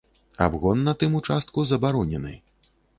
Абгон на тым участку забаронены.